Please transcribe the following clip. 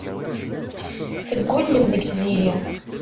Teggullem deg Tiziri.